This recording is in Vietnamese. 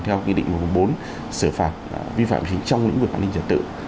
theo kỳ định mục bốn xử phạt vi phạm chính trong lĩnh vực hành vi trả tự